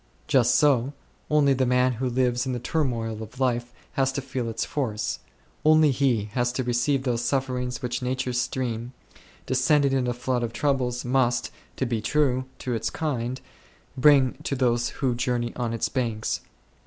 Just so, only the man who lives in the turmoil of life has to feel its force ; only he has to receive those sufferings which nature's stream, descending in a flood of troubles, must, to be true to its kind, bring to those who journey on its banks.